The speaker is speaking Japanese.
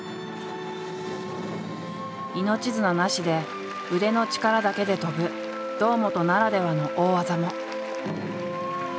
命綱なしで腕の力だけで飛ぶ堂本ならではの大技も。